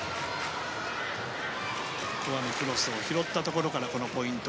フォアのクロスを拾ったところからのポイント。